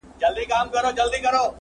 او لږ لږ کمزوری کيږي هره ورځ-